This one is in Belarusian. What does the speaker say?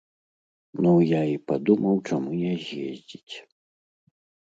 Ну, я і падумаў, чаму не з'ездзіць.